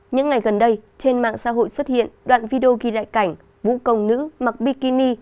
những ngày gần đây trên mạng xã hội xuất hiện đoạn video ghi lại cảnh vũ công nữ mặc bi kuni